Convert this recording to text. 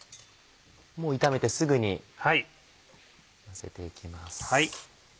炒めてすぐにのせて行きます。